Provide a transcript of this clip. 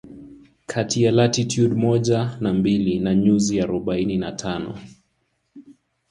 kati ya Latitude moja na mbili na nyuzi arobaini na tano